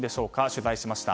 取材しました。